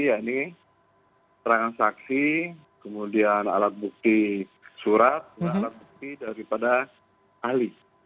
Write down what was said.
yaitu transaksi kemudian alat bukti surat dan alat bukti daripada ahli